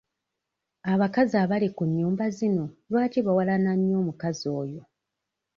Abakazi abali ku nnyumba zino lwaki bawalana nnyo omukazi oyo?